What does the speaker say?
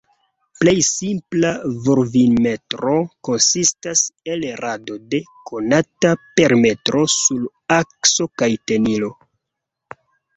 Plej simpla kurvimetro konsistas el rado de konata perimetro sur akso kaj tenilo.